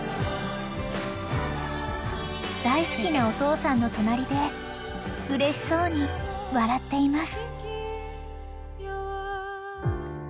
［大好きなお父さんの隣でうれしそうに笑っています］